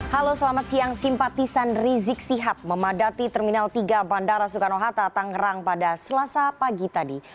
halo selamat siang simpatisan rizik sihab memadati terminal tiga bandara soekarno hatta tangerang pada selasa pagi tadi